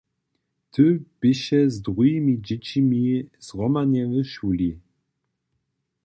Ty běše z druhimi dźěćimi zhromadnje w šuli.